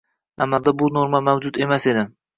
Amalda bu norma mavjud emas edi